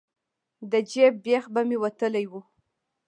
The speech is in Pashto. د جیب بیخ به مې وتلی و.